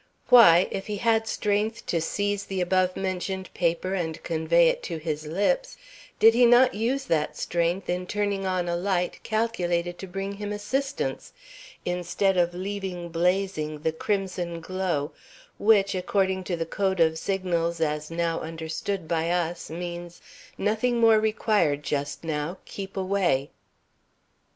Why, if he had strength to seize the above mentioned paper and convey it to his lips, did he not use that strength in turning on a light calculated to bring him assistance, instead of leaving blazing the crimson glow which, according to the code of signals as now understood by us, means: "Nothing more required just now. Keep away?"